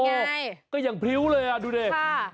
โอ้โหก็อย่างพริ้วเลยอ่ะดูดิ